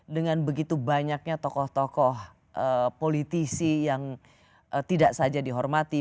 dengan begitu banyaknya tokoh tokoh politisi yang tidak saja dihormati